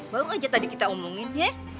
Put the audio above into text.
baru aja tadi kita omongin ya